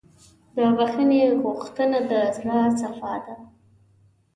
د بښنې غوښتنه د زړۀ صفا ده.